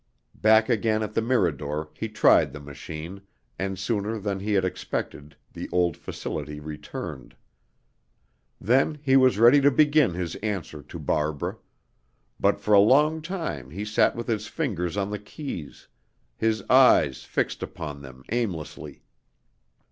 Back again at the Mirador he tried the machine, and sooner than he had expected the old facility returned. Then he was ready to begin his answer to Barbara; but for a long time he sat with his fingers on the keys, his eyes fixed upon them aimlessly.